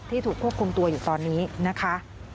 ถูกควบคุมตัวอยู่ตอนนี้นะคะ